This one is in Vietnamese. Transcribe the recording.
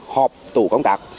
họp tủ công tác